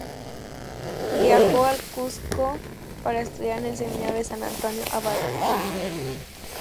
Viajó al Cuzco para estudiar en el Seminario de San Antonio Abad.